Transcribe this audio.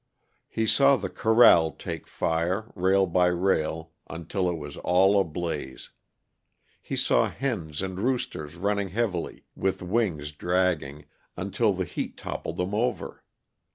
He saw the corral take fire, rail by rail, until it was all ablaze. He saw hens and roosters running heavily, with wings dragging, until the heat toppled them over.